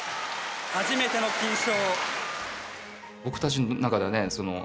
初めての金賞。